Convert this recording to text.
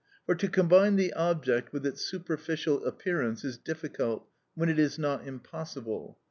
For to combine the object with its superficial appearance is difficult, when it is not impossible.